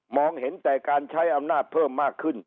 เห็นแต่การใช้อำนาจเพิ่มมากขึ้น